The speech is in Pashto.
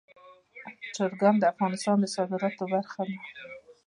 چرګان د افغانستان د صادراتو برخه ده.